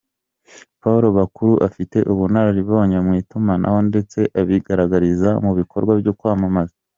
Paul Bakuru afite ubunararibonye mu itumanaho ndetse abigaragariza mu bikorwa byo kwamamaza.